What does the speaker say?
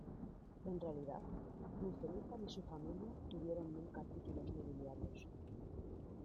En realidad ni Felipa ni su familia tuvieron nunca títulos nobiliarios.